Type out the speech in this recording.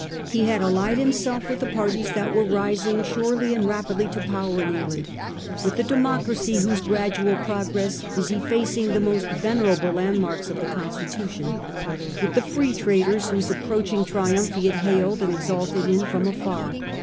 He had allied himself with the parties that were rising surely and rapidly to power in England — with the democracy, whose gradual pro gress is effacing the most venerable landmarks of the Constitution — with the Free Traders, whose approach ing triumph he had hailed and exulted in from afar.